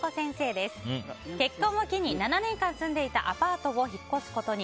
結婚を機に７年間住んでいたアパートを引っ越すことに。